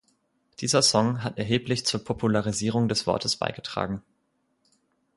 Dieser Song hat erheblich zur Popularisierung des Wortes beigetragen.